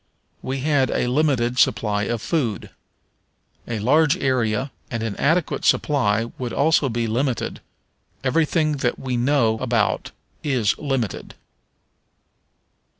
"We had a limited supply of food." A large area and an adequate supply would also be limited. Everything that we know about is limited.